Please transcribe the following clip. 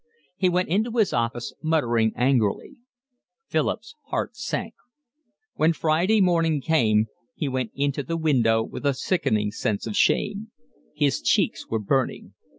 He went into his office, muttering angrily. Philip's heart sank. When Friday morning came he went into the window with a sickening sense of shame. His cheeks were burning.